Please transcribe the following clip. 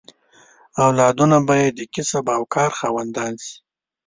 اولادونه به یې د کسب او کار خاوندان شي.